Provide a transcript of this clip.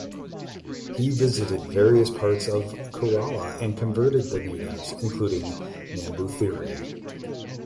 He visited various parts of Kerala and converted the natives including Namboothiri.